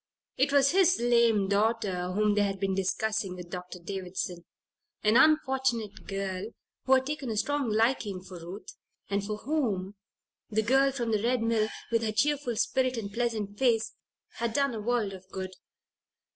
It was his lame daughter whom they had been discussing with Dr. Davison an unfortunate girl who had taken a strong liking for Ruth, and for whom the girl from the Red Mill, with her cheerful spirit and pleasant face, had done a world of good.